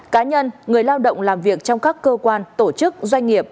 cá nhân người lao động làm việc trong các cơ quan tổ chức doanh nghiệp